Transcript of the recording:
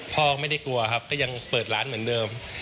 พ่อไม่ได้กลัวครับก็ยังเปิดร้านเหมือนเดิม